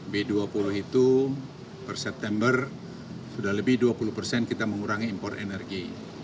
b dua puluh itu per september sudah lebih dua puluh persen kita mengurangi impor energi